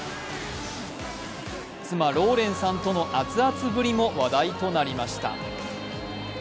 妻・ローレンさんとの熱々ぶりも話題となりました。